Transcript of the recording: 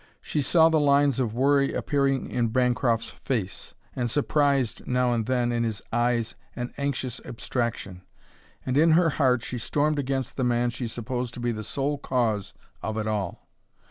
She saw the lines of worry appearing in Bancroft's face, and surprised now and then in his eyes an anxious abstraction; and in her heart she stormed against the man she supposed to be the sole cause of it all.